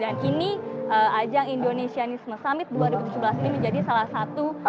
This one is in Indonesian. dan ini ajang indonesianism summit dua ribu tujuh belas ini menjadi salah satu